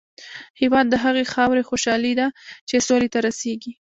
هېواد د هغې خاورې خوشحالي ده چې سولې ته رسېږي.